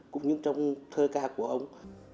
cũng như trong thơ ca của ông